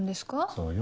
そうよ。